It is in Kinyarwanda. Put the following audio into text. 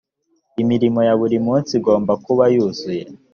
imirimo ya buri munsi igomba kuba yuzuye.